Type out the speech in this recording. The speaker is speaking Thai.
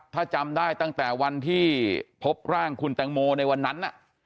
ถ้าจำได้ตั้งแต่วันที่พบร่างคุณแตงโมในวันนั้น